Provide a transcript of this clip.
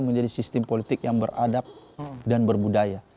menjadi sistem politik yang beradab dan berbudaya